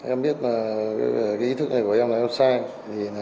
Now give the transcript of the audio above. em biết là ý thức này của em là em sai